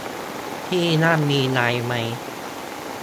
ที่นั่นมีไลฟ์ไหม